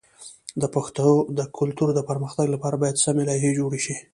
د پښتو د کلتور د پرمختګ لپاره باید سمی لایحې جوړ شي.